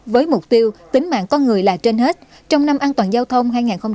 với mục tiêu tính mạng con người là trên hết trong năm an toàn giao thông hai nghìn hai mươi